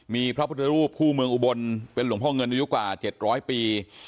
มีพระพุทธรูปคู่เมืองอุบลเป็นหลวงพ่อเงินอายุกว่า๗๐๐ปี